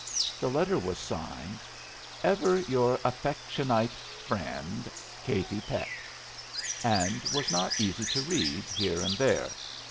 The letter was signed, "Ever your afectionite frend. "Katie Peck," and was not easy to read, here and there.